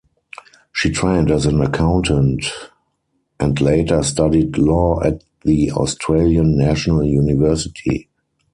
She trained as an accountant, and later studied law at the Australian National University.